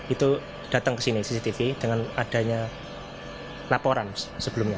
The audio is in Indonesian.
itu datang ke sini cctv dengan adanya laporan sebelumnya